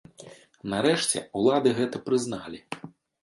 Нарэшце, улады гэта прызналі.